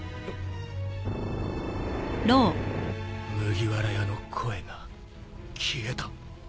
麦わら屋の声が消えた！